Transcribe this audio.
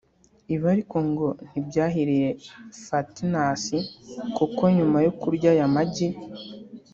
Ibi ariko ngo ntibyahiriye Fatnassi kuko nyuma yo kurya aya magi